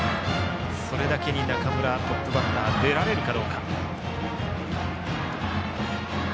それだけにトップバッター中村が出られるかどうか。